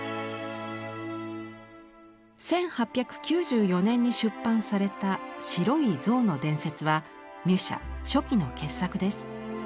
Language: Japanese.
１８９４年に出版された「白い象の伝説」はミュシャ初期の傑作です。